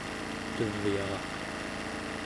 tevyaraq